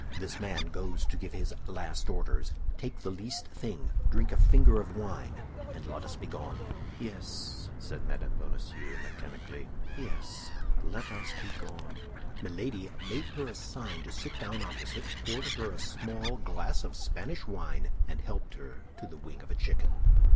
This man goes to give his last orders; take the least thing, drink a finger of wine, and let us be gone." "Yes," said Mme. Bonacieux, mechanically, "yes, let us be gone." Milady made her a sign to sit down opposite, poured her a small glass of Spanish wine, and helped her to the wing of a chicken.